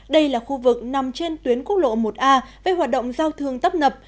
đây là khu vực nằm trên tuyến quốc lộ một a với hoạt động giao thương tấp nập